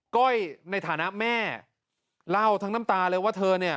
ก้อยในฐานะแม่เล่าทั้งน้ำตาเลยว่าเธอเนี่ย